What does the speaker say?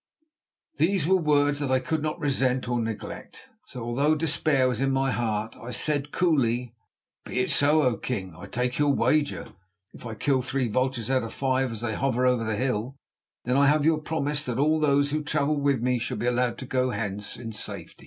These were words that I could not resent or neglect, so although despair was in my heart, I said coolly: "Be it so, O king. I take your wager. If I kill three vultures out of five as they hover over the hill, then I have your promise that all those who travel with me shall be allowed to go hence in safety."